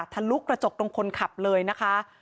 ลุกระจกตรงคนขับเลยนะคะ